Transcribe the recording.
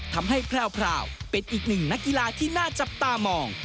ทำให้แพรวเป็นอีกหนึ่งนักกีฬาที่น่าจับตามอง